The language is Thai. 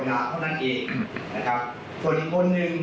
จากกล้องเขาไม่อยู่ของคนนั้น